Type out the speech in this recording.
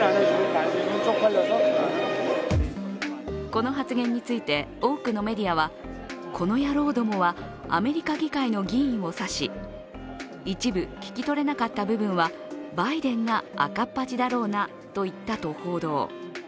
この発言について、多くのメディアは「この野郎ども」はアメリカ議会の議員を指し一部聞き取れなかった部分は「バイデンが赤っ恥だろうな」と言ったと報道。